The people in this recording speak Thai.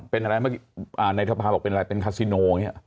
เป็นอะไรเมื่อกี้ในทภาพบอกเป็นอะไรเป็นคาซิโน